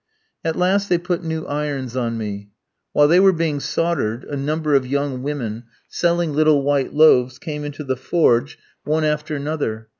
At last they put new irons on me. While they were being soldered a number of young women, selling little white loaves, came into the forge one after another.